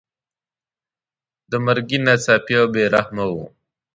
د مرګي ناڅاپي او بې رحمه وو.